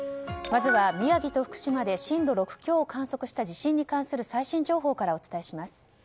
まずは宮城と福島で震度６強を観測した地震に関する最新情報からお伝えします。